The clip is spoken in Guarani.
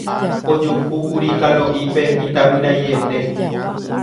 Ojuhúkuri Kalo'ípe itavyraiete.